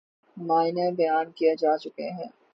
معنی بیان کئے جا چکے ہیں۔